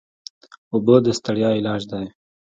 اوبه د ستړیا علاج دي.